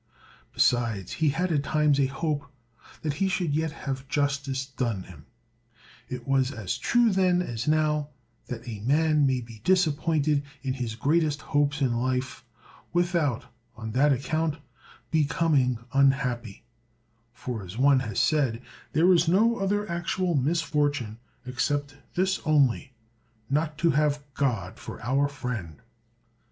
Besides, he had at times a hope that he should yet have justice done him. It was as true then as now that a man may be disappointed in his greatest hopes in life, without, on that account, becoming unhappy; for, as one has said, "There is no other actual misfortune except this only, not to have God for our friend."